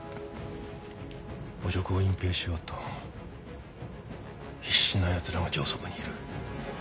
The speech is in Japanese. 汚職を隠ぺいしようと必死なやつらが上層部にいる。